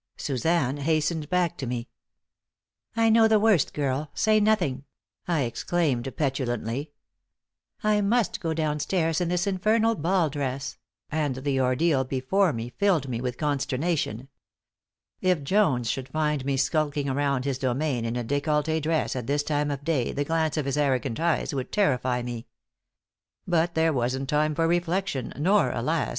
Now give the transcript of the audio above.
Suzanne hastened back to me. "I know the worst, girl! Say nothing!" I exclaimed, petulantly. "I must go down stairs in this infernal ball dress," and the ordeal before me filled me with consternation. If Jones should find me skulking around his domain in a décolleté dress at this time of day the glance of his arrogant eyes would terrify me. But there wasn't time for reflection, nor, alas!